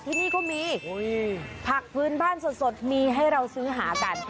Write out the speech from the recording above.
ที่นี่ก็มีผักพื้นบ้านสดมีให้เราซื้อหากัน